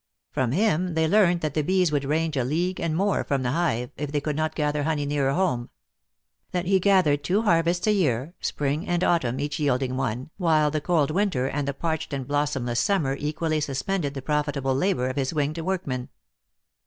From him they learned that the bees would range a league and more from the hive, if they could not gather honey nearer home. THE ACTRESS IN HIGH LIFE. 225 That he gathered two harvests a year, spring and autumn each yielding one, while the cold winter and the parched and blossomless summer equally suspend ed the profitable labor of his winged workmen.